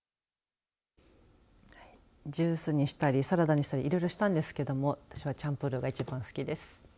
ジュースにしたりサラダにしたりしていろいろしたんですけれども私はチャンプルーが一番好きです。